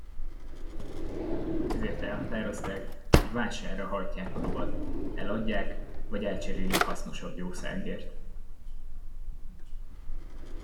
Ezért elhatározták, hogy vásárra hajtják a lovat, eladják vagy elcserélik hasznosabb jószágért.